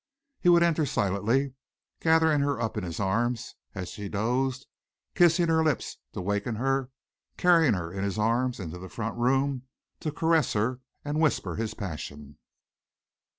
He would enter silently, gathering her up in his arms as she dozed, kissing her lips to waken her, carrying her in his arms into the front room to caress her and whisper his passion.